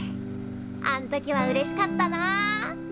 あん時はうれしかったな。